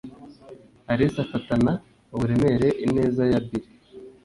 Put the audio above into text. alice afatana uburemere ineza ya bill